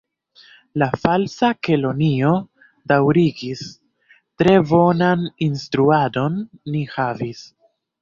La Falsa Kelonio daŭrigis: "Tre bonan instruadon ni havis. »